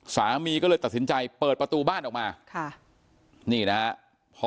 สามีก็เลยตัดสินใจเปิดประตูบ้านออกมาค่ะนี่นะฮะ